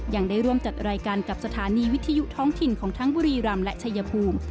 ยังได้ร่วมจัดรายการกับสถานีวิทยุท้องถิ่นของทั้งบุรีรำและชายภูมิ